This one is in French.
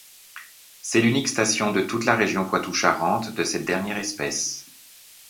C’est l’unique station de toute la région Poitou-Charentes de cette dernière espèce.